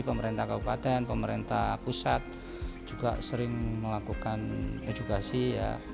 pemerintah kabupaten pemerintah pusat juga sering melakukan edukasi ya